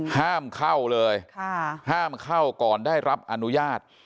ห้ามเข้าเลยห้ามเข้าก่อนได้รับอนุญาต